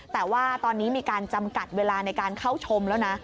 แต่ว่าตอนนี้มีการจำกัดเวลาในการเข้าชมแล้วนะ